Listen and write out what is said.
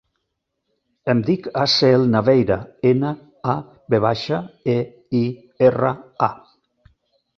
Em dic Aseel Naveira: ena, a, ve baixa, e, i, erra, a.